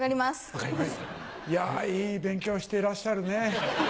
いやいい勉強をしていらっしゃるね。